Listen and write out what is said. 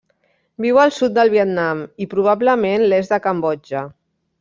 Viu al sud del Vietnam i, probablement, l'est de Cambodja.